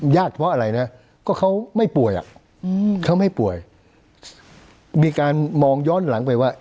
ญาติเพราะอะไรนะก็เขาไม่ป่วยอ่ะเขาไม่ป่วยมีการมองย้อนหลังไปว่า